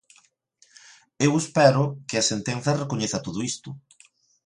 Eu espero que a sentenza recoñeza todo isto.